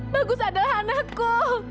bagus adalah anakku